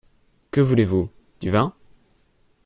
Que voulez-vous ? du vin ?